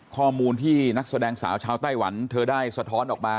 ข้อมูลที่นักแสดงสาวชาวไต้หวันเธอได้สะท้อนออกมา